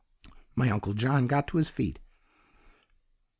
"My Uncle John got on his feet.